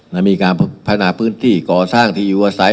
และมีการพัฒนาพื้นที่ก่อสร้างที่อยู่อาศัย